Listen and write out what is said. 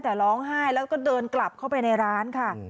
แต่ร้องไห้แล้วก็เดินกลับเข้าไปในร้านค่ะ